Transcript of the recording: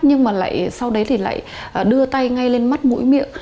nhưng mà lại sau đấy thì lại đưa tay ngay lên mắt mũi miệng